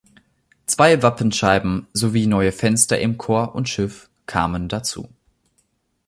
Zwei Wappenscheiben sowie neue Fenster im Chor und Schiff kamen dazu.